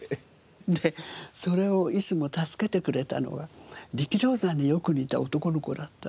でそれをいつも助けてくれたのが力道山によく似た男の子だった。